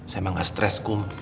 saya emang gak stress kum